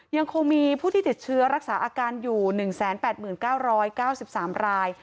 ยังคงมีผู้ที่ติดเชื้อรักษาอาการอยู่๑๘๙๙๓ราย